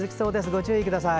ご注意ください。